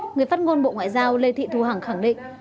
người phát ngôn bộ ngoại giao lê thị thu hằng khẳng định